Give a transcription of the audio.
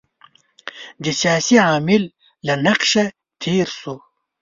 د سیاسي عامل له نقشه تېر شو.